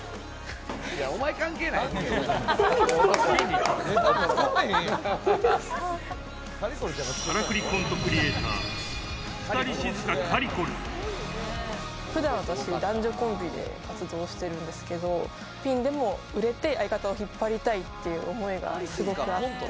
からくりコントクリエイター、ふだん、私、男女コンビで活動しているんですけど、ピンでも売れて、相方を引っ張りたいという思いがすごくあって。